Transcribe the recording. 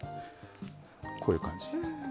こういう感じ。